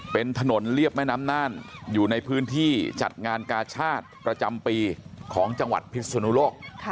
เป็นถนนเรียบแม่น้ำน่านอยู่ในพื้นที่จัดงานกาชาติประจำปีของจังหวัดพิศนุโลก